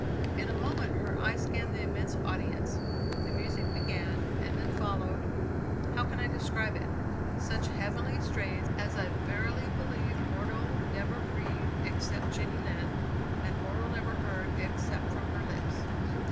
In a moment her eye scanned the immense audience, the music began and then followed how can I describe it? such heavenly strains as I verily believe mortal never breathed except Jenny Lind, and mortal never heard except from her lips.